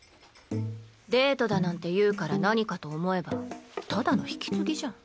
デートだなんて言うから何かと思えばただの引き継ぎじゃん。